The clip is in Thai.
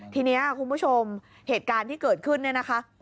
ทีนี้คุณผู้ชมเหตุการณ์ที่เกิดขึ้นเนี่ยนะคะ